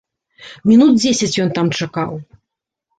Мінут дзесяць ён там чакаў.